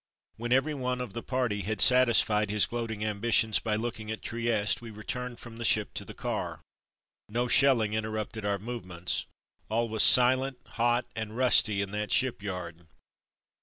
When everyone of the party had satisfied his gloating ambitions by looking at Trieste we returned from the ship to the car. No shelling interrupted our movements. All was silent, hot, and rusty in that shipyard.